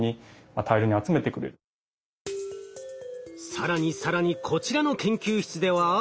更に更にこちらの研究室では？